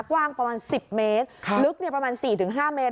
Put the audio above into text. กว้างประมาณ๑๐เมตรลึกประมาณ๔๕เมตร